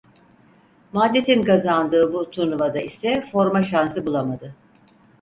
Madrid'in kazandığı bu turnuvada ise forma şansı bulamadı.